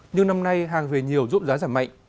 nhưng năm nay hàng về nhiều giúp giá giảm mạnh